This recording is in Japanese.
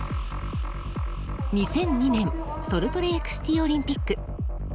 ２００２年ソルトレークシティーオリンピック。